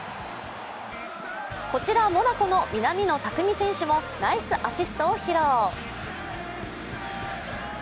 こちら、モナコの南野拓実選手もナイスアシストを披露。